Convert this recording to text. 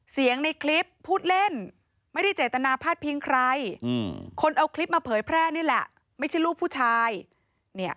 ในคลิปพูดเล่นไม่ได้เจตนาพาดพิงใครคนเอาคลิปมาเผยแพร่นี่แหละไม่ใช่ลูกผู้ชายเนี่ย